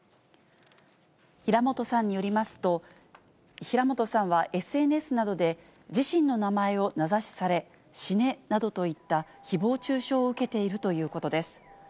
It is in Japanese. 平本さんによりますと、平本さんはＳＮＳなどで自身の名前を名指しされ、死ねなどといったひぼう中傷を受けているということです。